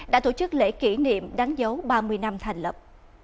đã tổ chức lễ kỷ niệm đáng dấu ba mươi năm thành lập